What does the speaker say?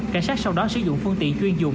cảnh sát sau đó sử dụng phương tiện chuyên dụng